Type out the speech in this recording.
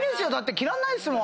着らんないですもん。